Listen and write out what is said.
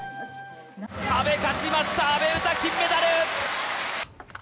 阿部勝ちました、阿部詩金メダル！